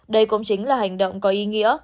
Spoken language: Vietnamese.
đây cũng chính là hành động có ý nghĩa